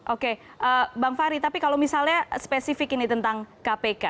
oke bang fahri tapi kalau misalnya spesifik ini tentang kpk